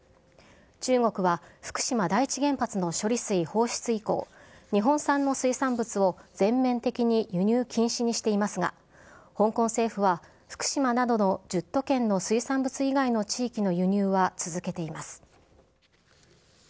中国は、福島第一原発の処理水放出以降、日本産の水産物を全面的に輸入禁止にしていますが、香港政府は福島などの１０都県の水産物以外の地域の輸入は続けています。